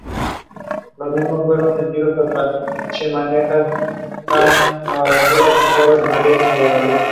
Los sismos fueron sentidos hasta Chinameca, San Buenaventura, Santiago de María, y Nueva Guadalupe.